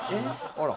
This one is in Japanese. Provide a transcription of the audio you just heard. あら。